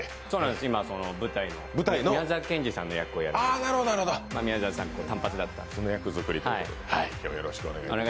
今、舞台で宮沢賢治さんの役をやらせていただいていて宮沢さん、短髪だったのでその役づくりということで。